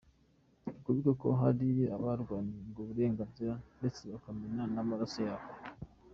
Twibuke ko hari abarwaniye ubwo burenganzira ndetse bakamena n ‘ amaraso yabo.